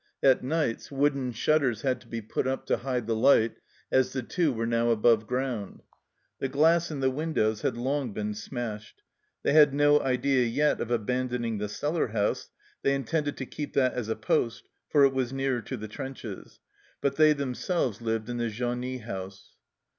At nights, wooden shutters had to be put up to hide the light, as the Two were now above ground. The glass in the windows had long been smashed. They had no idea yet of abandoning the cellar house ; they intended to keep that as a poste, for it was nearer to the trenches, but they themselves lived in the genie house.